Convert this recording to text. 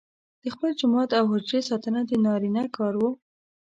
د خپل جومات او حجرې ساتنه د نارینه کار وو.